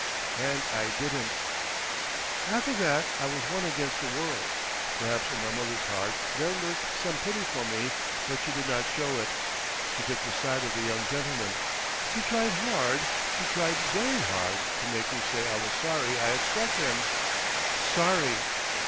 And I didn't. After that I was one against the world. Perhaps in my mother's heart there lurked some pity for me, but she did not show it. She took the side of the young gentleman; she tried hard, she tried very hard, to make me say I was sorry I had struck him. Sorry!